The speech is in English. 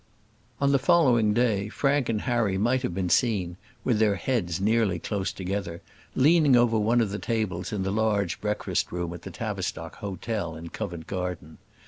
On the following day Frank and Harry might have been seen, with their heads nearly close together, leaning over one of the tables in the large breakfast room at the Tavistock Hotel in Covent Garden.